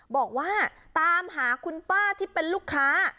บอกว่าตามหาคุณป้าที่เป็นลูกค้า